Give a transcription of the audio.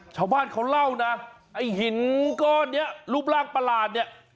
ชาวบ้านเขาเล่านะไอ้หินก้อนนี้รูปร่างประหลาดเนี่ย